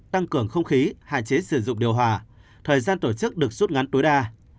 tăng cường không khí hạn chế sử dụng điều hòa thời gian tổ chức được rút ngắn tối đa